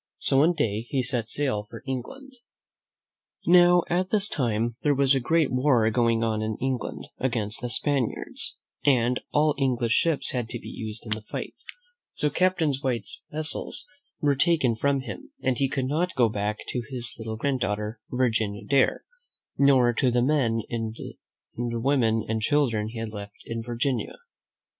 So one fine day he set sail for England. Now, at this time, there was a great war going on in England against the Spaniards, and all English ships had to be used in the fight; so Captain White's vessels were taken from him, and he could not go back to his little grand daughter, Virginia Dare, nor to the men and women and children he had left in Virginia.